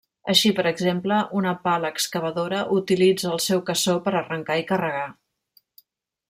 Així, per exemple, una pala excavadora utilitza el seu cassó per arrencar i carregar.